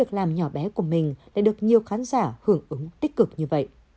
việc làm nhỏ bé của mình đã được nhiều khán giả hưởng ứng tích cực như vậy